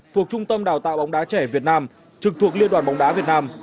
thuộc trung tâm đào tạo bóng đá trẻ việt nam trực thuộc liên đoàn bóng đá việt nam